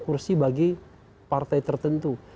kursi bagi partai tertentu